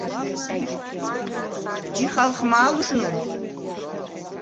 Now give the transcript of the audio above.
ჯიხალხმა̄ ლუშნუ?